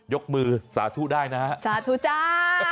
ยกมือสาธุได้นะฮะสาธุจ้า